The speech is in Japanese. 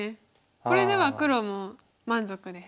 これでは黒も満足です。